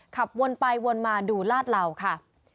ขับวนไปวนมาดูลาดเหล่าค่ะ